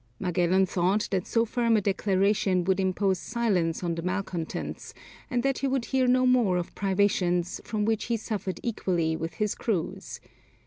Magellan thought that so firm a declaration would impose silence on the malcontents, and that he would hear no more of privations, from which he suffered equally with his crews.